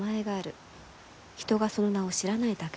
人がその名を知らないだけだと。